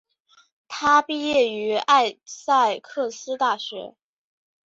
他毕业于艾塞克斯大学。